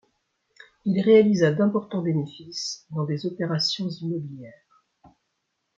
Il réalisa d'importants bénéfices dans des opérations immobilières.